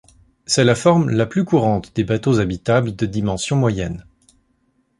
C'est la forme la plus courante des bateaux habitables de dimensions moyennes.